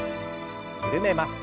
緩めます。